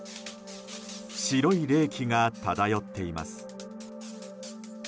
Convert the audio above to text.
白い冷気が漂っています。